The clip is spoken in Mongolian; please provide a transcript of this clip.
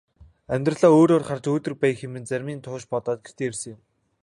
Амьдралаа өөрөөр харж өөдрөг байя хэмээн замын турш бодоод гэртээ ирсэн юм.